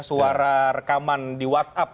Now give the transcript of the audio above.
suara rekaman di whatsapp